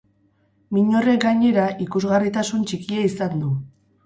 Min horrek, gainera, ikusgarritasun txikia izan du.